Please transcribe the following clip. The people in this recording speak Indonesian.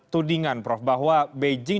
tudingan prof bahwa beijing